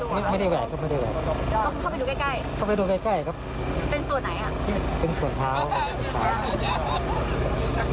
เข้าไปมีแล้วแต่งกลณ์ซอยเนี้ยครับแล้วมีใครหายไปนะครับ